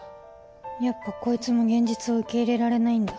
夏帆：やっぱコイツも現実を受け入れられないんだ